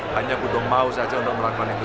hanya butuh mau saja untuk melakukan itu